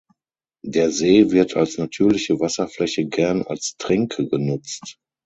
Der See wird als natürliche Wasserfläche gern als Tränke genutzt.